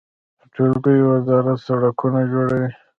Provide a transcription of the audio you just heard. د ټولګټو وزارت سړکونه جوړوي